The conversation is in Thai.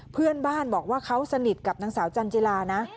เพื่อนบ้านบอกว่าเขาสนิทกับนางสาวจันจิลานะ